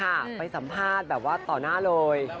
เราไปสัมภาษณ์ต่อหน้าเลย